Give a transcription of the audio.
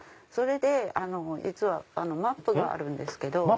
それで実はマップがあるんですけど。